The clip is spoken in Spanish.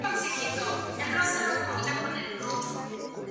Lo que más les gustó es cómo de bien captura la esencia del ajedrez.